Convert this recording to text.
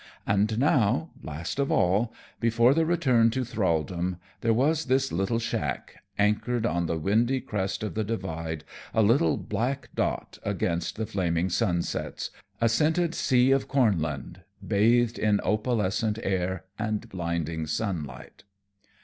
And now, last of all, before the return to thraldom, there was this little shack, anchored on the windy crest of the Divide, a little black dot against the flaming sunsets, a scented sea of cornland bathed in opalescent air and blinding sunlight.